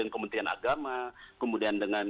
kementerian agama kemudian dengan